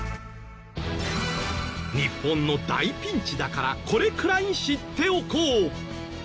日本の大ピンチだからこれくらい知っておこう！